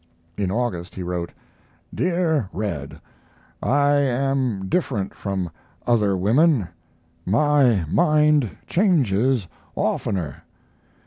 In August he wrote: DEAR RED, I am different from other women; my mind changes oftener.